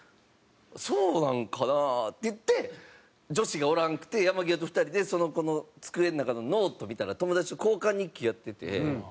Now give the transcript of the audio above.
「そうなんかな？」って言って女子がおらんくて山際と２人でその子の机の中のノート見たら友達と交換日記やってて。